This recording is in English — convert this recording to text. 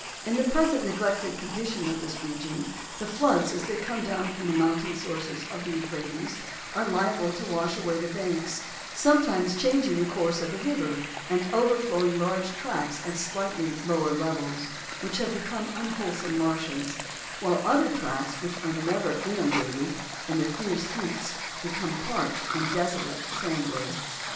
In the present neglected condition of this region the floods as they come down from the mountain sources of the Euphrates are liable to wash away the banks, sometimes changing the course of the river, and overflowing large tracts at slightly lower levels, which have become unwholesome marshes, while other large tracts which are never inundated, in the fierce heats become parched and desolate sand wastes.